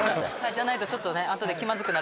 じゃないとちょっとね。